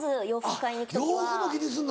洋服も気にすんの？